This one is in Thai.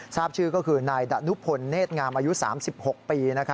ทราบชื่อก็คือนายดะนุพลเนธงามอายุ๓๖ปี